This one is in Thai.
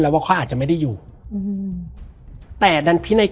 แล้วสักครั้งหนึ่งเขารู้สึกอึดอัดที่หน้าอก